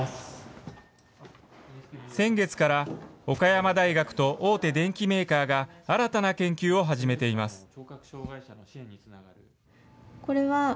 先月から、岡山大学と大手電機メーカーが、新たな研究を始めています。